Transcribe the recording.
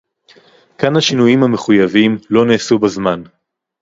כאן השינויים המחויבים לא נעשו בזמן